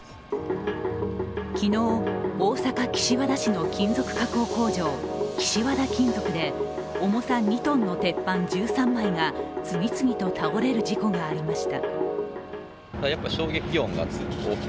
昨日、大阪・岸和田市の金属加工工場、岸和田金属で重さ２ｔの鉄板１３枚が次々と倒れる事故がありました。